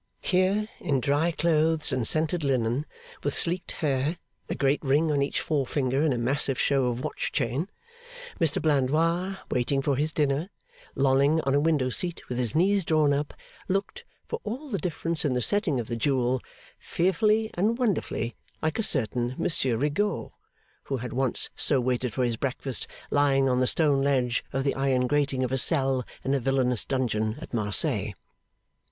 Here, in dry clothes and scented linen, with sleeked hair, a great ring on each forefinger and a massive show of watch chain, Mr Blandois waiting for his dinner, lolling on a window seat with his knees drawn up, looked (for all the difference in the setting of the jewel) fearfully and wonderfully like a certain Monsieur Rigaud who had once so waited for his breakfast, lying on the stone ledge of the iron grating of a cell in a villainous dungeon at Marseilles.